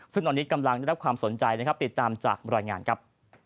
ซึ่งตอนนี้กำลังได้รับความสนใจนะครับติดตามจากรายงานครับ